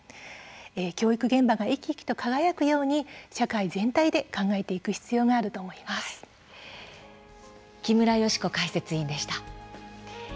教育現場が生き生きと輝くように社会全体で考えていく必要が木村祥子解説委員でした。